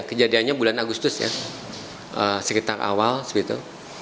kejadiannya bulan agustus ya sekitar awal sebetu